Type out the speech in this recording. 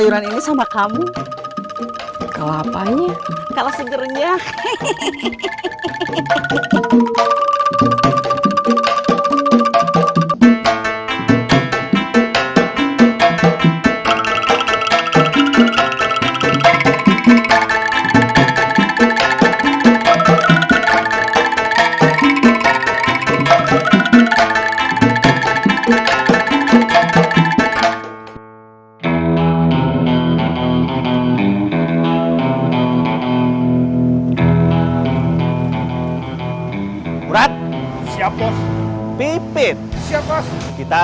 udah gak usah ngomongin dia